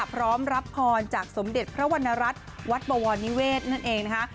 พร้อมรับพรจากสมเด็จพระวรรณรัฐวัดบวรนิเวศนั่นเองนะคะ